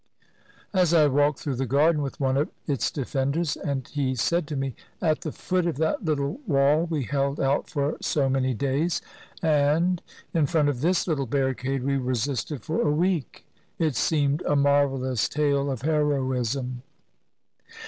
As I walked through the garden with one of its defenders, and he said to me, *'At the foot of that little wall we held out for so many days," and "In front of this little barricade we resisted for a week," it seemed a marvelous tale of heroism.